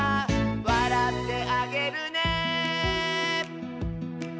「わらってあげるね」